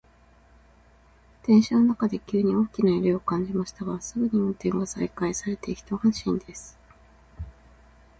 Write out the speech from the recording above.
電車の中で急に大きな揺れを感じましたが、すぐに運転が再開されて一安心です。